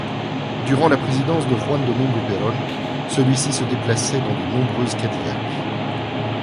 Durant la présidence de Juan Domingo Perón, celui-ci se déplaçait dans de nombreuses Cadillac.